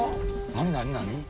何何何？